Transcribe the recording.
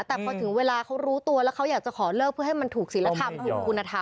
แต่พอถึงเวลาเขารู้ตัวแล้วเขาอยากจะขอเลิกเพื่อให้มันถูกศิลธรรมถูกคุณธรรม